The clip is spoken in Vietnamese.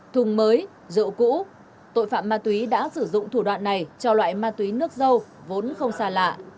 thùng mới rộ cũ tội phạm ma túy đã sử dụng thủ đoạn này cho loại ma túy nước dâu vốn không xa lạ